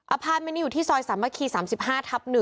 อาพารบ์มีนี่อยู่ที่ซอยสามมะคี๓๕ทับ๑